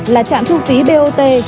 là trạm thu phí bot